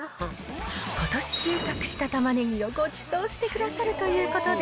ことし収穫した玉ねぎをごちそうしてくださるということで、